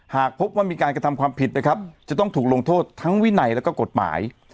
หากพบว่ามีการกระทำความผิดนะครับจะต้องถูกลงโทษทั้งวินัยแล้วก็กฎหมาย